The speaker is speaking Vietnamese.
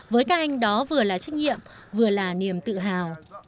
với các anh đó vừa là trách nhiệm vừa là niềm tự hào